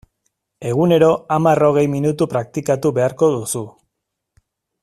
Egunero hamar-hogei minutu praktikatu beharko duzu.